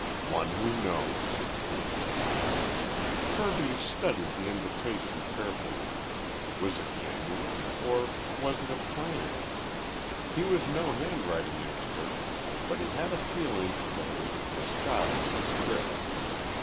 One who knows. Kirby studied the invitation carefully. Was it genuine? Or was it a plant? He was no handwriting expert, but he had a feeling that it was a disguised script.